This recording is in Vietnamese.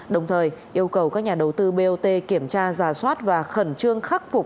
đồng thời yêu cầu các nhà đầu tư bot kiểm tra giả soát và khẩn trương khắc phục